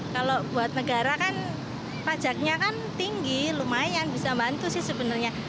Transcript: kalau buat negara kan pajaknya kan tinggi lumayan bisa bantu sih sebenarnya